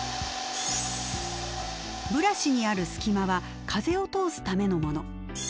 ブラシにある隙間は風を通すためのもの。